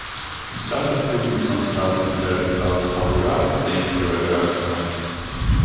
We started putting some stuff in there about how rough things were around town.